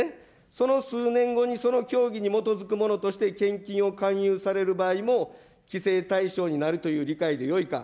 その数年後にその教義に基づくとして献金を勧誘される場合も、規制対象になるという理解でよいか。